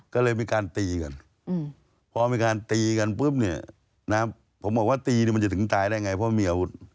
ก็เลยมีการตีกันพอมีการตีกันปุ๊บเนี่ยนะผมบอกว่าตีเนี่ยมันจะถึงตายได้ไงเพราะมีอาวุธ